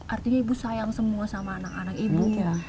artinya ibu sayang semua sama anak anak ibu